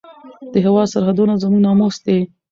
د هېواد سرحدونه زموږ ناموس دی.